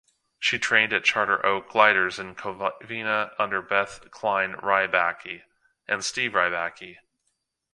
She trained at Charter Oak Gliders in Covina under Beth Kline-Rybacki and Steve Rybacki.